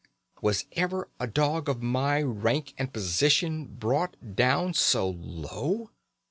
"Was ever a dog of my rank and position brought down so low?